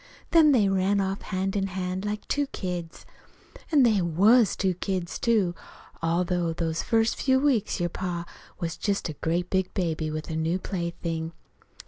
Then they ran off hand in hand, like two kids. An' they was two kids, too. All through those first few weeks your pa was just a great big baby with a new plaything.